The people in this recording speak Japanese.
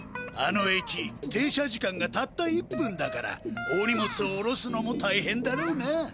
あの駅停車時間がたった１分だから大荷物をおろすのもたいへんだろうな。